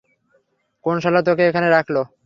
কোন শালা তোকে এখানে রাখলো?